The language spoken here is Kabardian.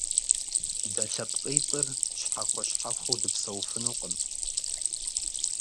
Дэ лъэпкъитӀыр щхьэхуэ-щхьэхуэу дыпсэуфынукъым.